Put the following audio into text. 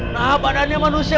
nah badannya manusia